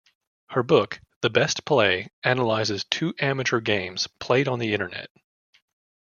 Her book, The Best Play, analyzes two amateur games played on the internet.